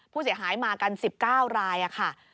ผู้เสียหายมากัน๑๙รายค่ะ